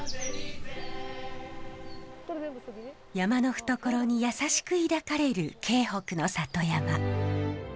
山の懐に優しく抱かれる京北の里山。